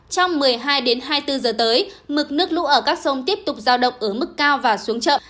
trong một mươi hai đến hai mươi bốn giờ tới mực nước lũ ở các sông tiếp tục giao động ở mức cao và xuống chậm